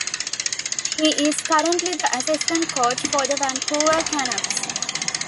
He is currently the assistant coach for the Vancouver Canucks.